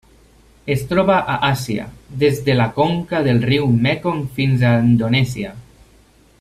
Es troba a Àsia: des de la conca del riu Mekong fins a Indonèsia.